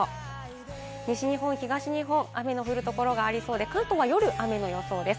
西日本、東日本、雨の降る所がありそうで、関東は夜、雨の予想です。